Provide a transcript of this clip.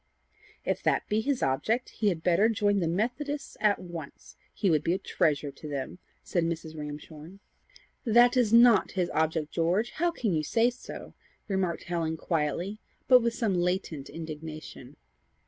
"If that be his object, he had better join the Methodists at once. He would be a treasure to them," said Mrs. Ramshorn. "That is not his object, George. How can you say so?" remarked Helen quietly, but with some latent indignation.